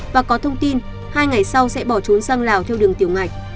và có thông tin hai ngày sau sẽ bỏ trốn sang lào theo đường tiểu ngạch